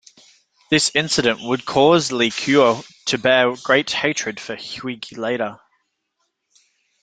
This incident would cause Li Kuo to bear great hatred for Huige later.